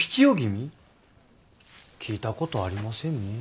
聞いたことありませんねえ。